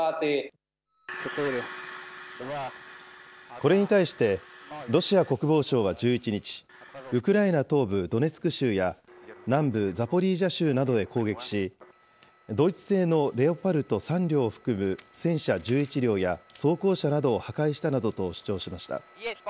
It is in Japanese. これに対して、ロシア国防省は１１日、ウクライナ東部ドネツク州や、南部ザポリージャ州などへ攻撃し、ドイツ製のレオパルト３両を含む戦車１１両や装甲車などを破壊したなどと主張しました。